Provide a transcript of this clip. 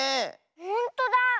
ほんとだ。